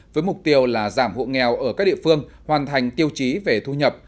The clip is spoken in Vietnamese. với mục tiêu là giảm hộ nghèo ở các địa phương hoàn thành tiêu chí về thu nhập